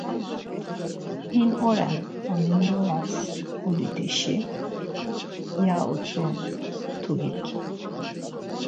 Min oren hemindoras udidişi? ya utzu mtugik.